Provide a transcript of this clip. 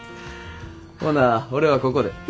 ほな俺はここで。